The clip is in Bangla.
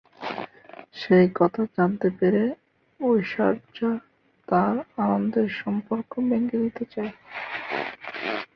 সেই কথা জানতে পেরে ঐশ্বর্যা তার ও আনন্দের সম্পর্ক ভেঙে দিতে চায়।